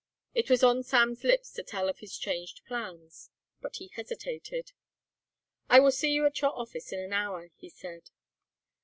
It was on Sam's lips to tell of his changed plans but he hesitated. "I will see you at your office in an hour," he said.